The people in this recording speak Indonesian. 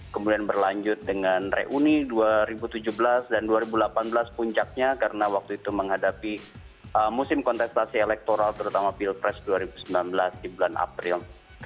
kemudian berlanjut dengan reuni dua ribu tujuh belas dan dua ribu delapan belas puncaknya karena waktu itu menghadapi musim kontestasi elektoral terutama pilpres dua ribu sembilan belas di bulan april